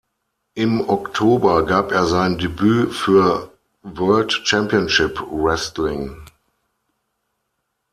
Im Oktober gab er sein Debüt für World Championship Wrestling.